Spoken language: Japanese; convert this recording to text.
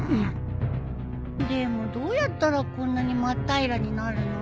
でもどうやったらこんなに真っ平らになるの？